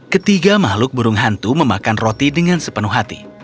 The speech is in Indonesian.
ketiga makhluk burung hantu memakan roti dengan sepenuh hati